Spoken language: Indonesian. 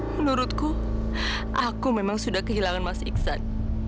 menurutku aku memang sudah kehilangan mas iksan